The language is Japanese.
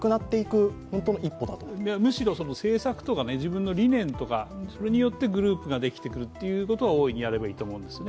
むしろ政策とか、自分の理念によってグループができてくるというのは大いにやればいいと思うんですね。